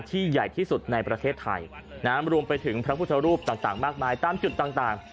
ใหญ่ที่สุดในประเทศไทยรวมไปถึงพระพุทธรูปต่างมากมายตามจุดต่าง